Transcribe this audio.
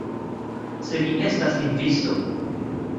Se vi estas lingvisto